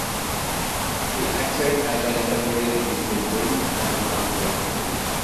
He acted as an intermediary between Greece and Nazi Germany.